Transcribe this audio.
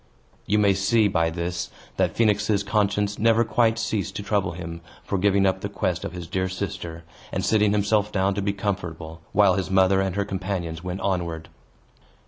You may see, by this, that Phoenix's conscience never quite ceased to trouble him, for giving up the quest of his dear sister, and sitting himself down to be comfortable, while his mother and her companions went onward.